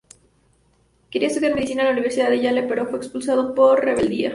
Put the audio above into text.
Quería estudiar Medicina en la Universidad de Yale, pero fue expulsado por rebeldía.